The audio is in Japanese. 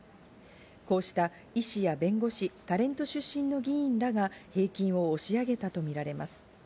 こうした医師や弁護士、タレント出身の議員らが平均を押し上げたとみられます。